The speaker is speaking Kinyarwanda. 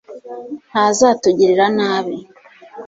ntazatugirira nabi